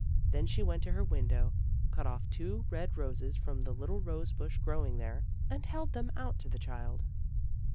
Then she went to her window, cut oif two red roses from the little rose bush growing there, and held them out to the child.